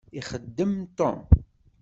Ixeddem Tom.